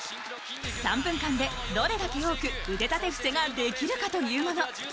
３分間でどれだけ多く腕立て伏せができるかというもの。